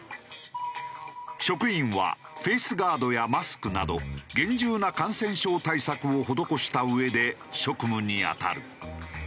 職員はフェースガードやマスクなど厳重な感染症対策を施したうえで職務に当たる。